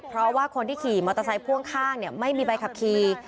เพราะว่าคนที่ขี่มอเตอร์ไซค์พ่วงข้างไม่มีใบขับขี่